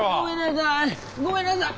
ごめんなさい。